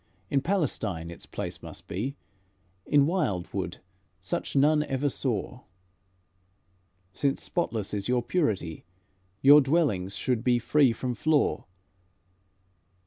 In Palestine its place must be; In wildwood such none ever saw. Since spotless is your purity, Your dwellings should be free from flaw.